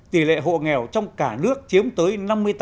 tỷ lệ hộ nghèo trong cả nước chiếm tới năm mươi tám